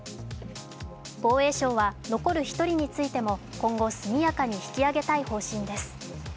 防衛省は残る１人についても今後速やかに引き揚げたい方針です。